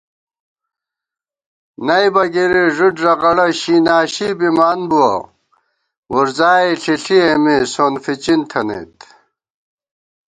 نئیبہ گِری ݫُد ݫَغَڑہ شِیناشی بِمان بُوَہ، وُرزائےݪِݪی اېمےسونفِچِن تھنَئیت